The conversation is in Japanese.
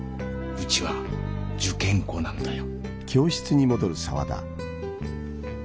うちは受験校なんだよ。